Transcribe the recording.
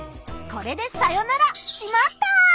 これでさよなら「しまった！」。